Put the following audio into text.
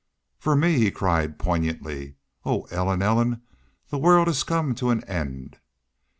"For me!" he cried, poignantly. "Oh, Ellen! Ellen! the world has come to an end!